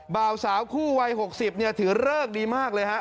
เบาสาวคู่วัย๖๐เนี่ยถือเลิกดีมากเลยฮะ